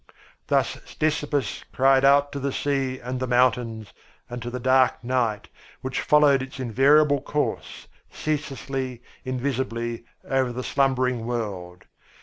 Thus Ctesippus cried out to the sea and the mountains, and to the dark night, which followed its invariable course, ceaselessly, invisibly, over the slumbering world.